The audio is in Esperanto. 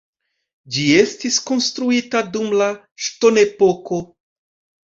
Ĝi estis konstruita dum la ŝtonepoko.